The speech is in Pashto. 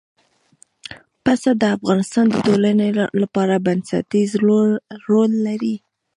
پسه د افغانستان د ټولنې لپاره بنسټيز رول لري.